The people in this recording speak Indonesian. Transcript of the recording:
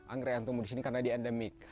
anggrek yang tumbuh di sini karena di endemik